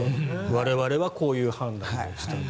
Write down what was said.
我々はこういう判断をしたと。